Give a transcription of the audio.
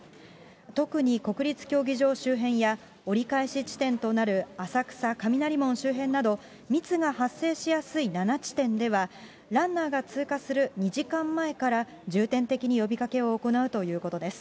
特に国立競技場周辺や、折り返し地点となる浅草・雷門周辺など、密が発生しやすい７地点では、ランナーが通過する２時間前から、重点的に呼びかけを行うということです。